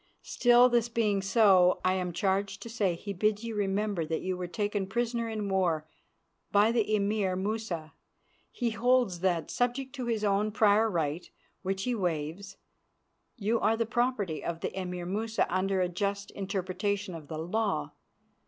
Still, this being so, I am charged to say he bids you remember that you were taken prisoner in war by the Emir Musa. He holds that, subject to his own prior right, which he waives, you are the property of the Emir Musa under a just interpretation of the law.